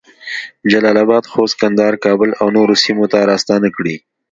جلال اباد، خوست، کندهار، کابل اونورو سیمو ته راستنه کړې